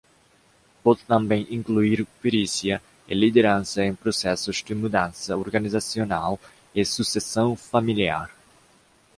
Pode também incluir perícia e liderança em processos de mudança organizacional e sucessão familiar.